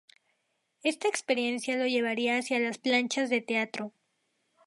Esta experiencia lo llevará hacia las planchas de teatro.